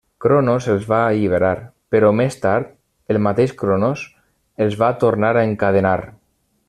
Cronos els va alliberar, però més tard el mateix Cronos els va tornar a encadenar.